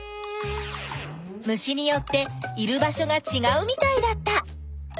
虫によっている場所がちがうみたいだった。